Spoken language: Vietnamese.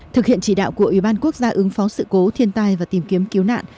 thực hiện chỉ đạo của ủy ban quốc gia ứng phó sự cố thiên tai và tìm kiếm cứu nạn